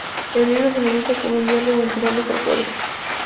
El libro finaliza con un diálogo entre ambos autores.